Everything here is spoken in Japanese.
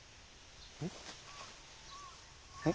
えっ？